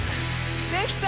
できた！